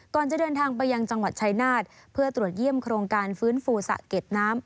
จะเดินทางไปยังจังหวัดชายนาฏเพื่อตรวจเยี่ยมโครงการฟื้นฟูสะเก็ดน้ำ